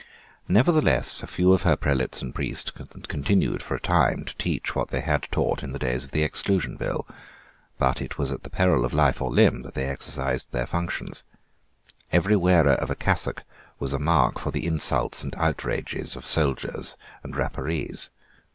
Nevertheless a few of her prelates and priests continued for a time to teach what they had taught in the days of the Exclusion Bill. But it was at the peril of life or limb that they exercised their functions. Every wearer of a cassock was a mark for the insults and outrages of soldiers and Rapparees.